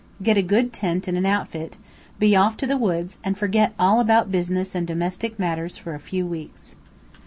Get a good tent and an outfit, be off to the woods, and forget all about business and domestic matters for a few weeks."